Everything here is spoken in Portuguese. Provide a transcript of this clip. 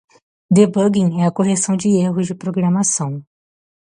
Debugging é a correção de erros de programação.